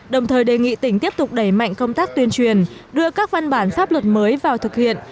đồng thời đề nghị tỉnh tiếp tục đẩy mạnh công tác tuyên truyền đưa các văn bản pháp luật mới vào thực hiện